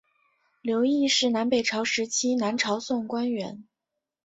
刘邕是南北朝时期南朝宋官员。